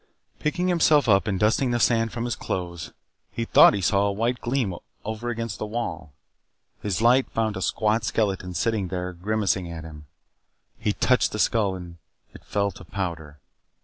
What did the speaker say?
Picking himself up and dusting the sand from his clothes he thought he saw a white gleam over against the wall. His light found a squat skeleton sitting there grimacing at him. He touched the skull and it fell to powder.